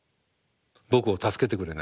僕を助けてくれない。